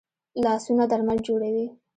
لاسونه درمل جوړوي